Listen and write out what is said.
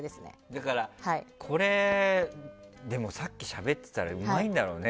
だから、さっきしゃべってたらうまいんだろうね。